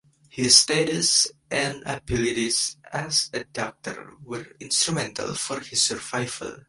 His status and abilities as a doctor were instrumental for his survival.